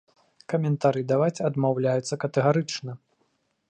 Каментары даваць адмаўляюцца катэгарычна.